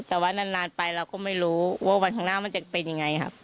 แต่ว่านานไปเราก็ไม่รู้ว่าวันข้างหน้ามันจะเป็นยังไงครับ